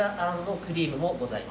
クリームもございます。